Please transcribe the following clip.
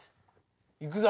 いくぞ！